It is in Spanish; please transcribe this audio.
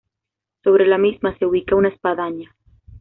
Sobre la misma se ubica una espadaña.